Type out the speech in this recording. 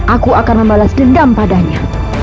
aku akan membalas dendam padanya